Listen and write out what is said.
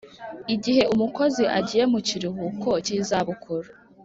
Igihe umukozi agiye mu kiruhuko cy izabukuru